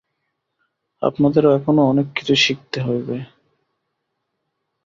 আপনাদের এখনও অনেক কিছু শিখিতে হইবে।